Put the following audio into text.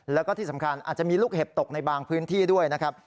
แล้วก็ที่สำคัญอาจจะมีลูกเห็บตกในบางพื้นที่ด้วยนะครับ